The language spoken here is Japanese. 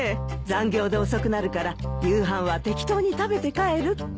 残業で遅くなるから夕飯は適当に食べて帰るって。